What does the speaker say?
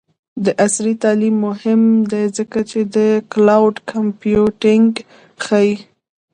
عصري تعلیم مهم دی ځکه چې د کلاؤډ کمپیوټینګ ښيي.